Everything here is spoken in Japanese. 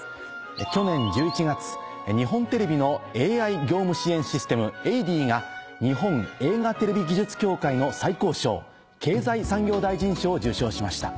去年１１月日本テレビのＡＩ業務支援システム「エイディ」が日本映画テレビ技術協会の最高賞経済産業大臣賞を受賞しました。